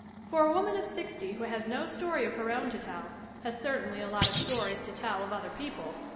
For a woman of sixty who has no story of her own to tell has certainly a lot of stories to tell of other people.